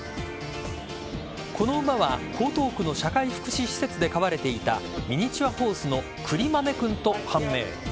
この馬は江東区の社会福祉施設で飼われていたミニチュアホースのくりまめ君と判明。